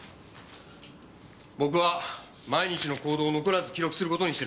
僕は毎日の行動を残らず記録する事にしてるんです。